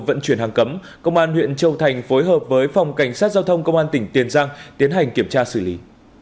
vận chuyển hàng cấm công an huyện châu thành phối hợp với phòng cảnh sát giao thông công an tỉnh tiền giang tiến hành kiểm tra xử lý